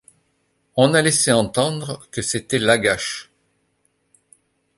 On a laissé entendre que c'était Lagash.